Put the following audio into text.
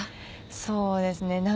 そうですね。